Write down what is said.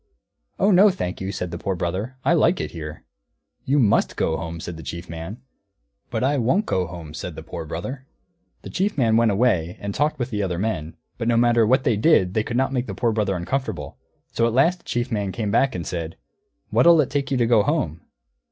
"Oh no, thank you," said the Poor Brother, "I like it here." "You must go home," said the Chief Man. "But I won't go home," said the Poor Brother. The Chief Man went away and talked with the other men; but no matter what they did they could not make the Poor Brother uncomfortable; so at last the Chief Man came back and said, "What'll you take to go home?"